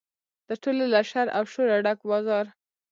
تر ټولو له شر او شوره ډک بازار.